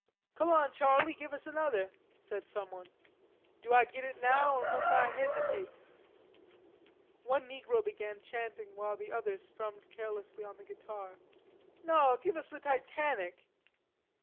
"Come on, Charley, give us another," said someone. "Do Ah git it now, or mus' Ah hesit ate?" One negro began chanting while the other strummed carelessly on the guitar. "No, give us the 'Titanic.'"